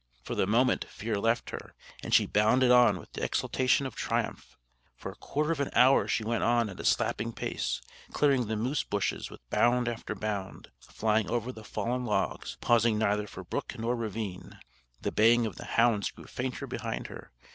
For the moment, fear left her, and she bounded on with the exaltation of triumph. For a quarter of an hour she went on at a slapping pace, clearing the moose bushes with bound after bound, flying over the fallen logs, pausing neither for brook nor ravine. The baying of the hounds grew fainter behind her.